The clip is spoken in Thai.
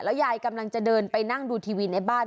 ยายกำลังจะเดินไปนั่งดูทีวีในบ้าน